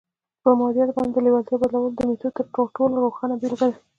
پر مادياتو باندې د لېوالتیا بدلولو د ميتود تر ټولو روښانه بېلګه ده.